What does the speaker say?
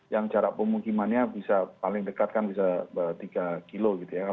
yang jarak pemukimannya bisa paling dekat kan bisa tiga kilo gitu ya